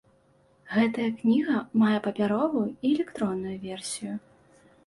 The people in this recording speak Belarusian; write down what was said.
Гэтая кніга мае папяровую і электронную версію.